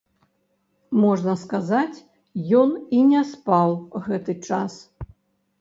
Можна сказаць, ён і не спаў гэты час.